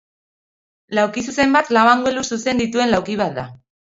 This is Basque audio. Laukizuzen bat lau angelu zuzen dituen lauki bat da.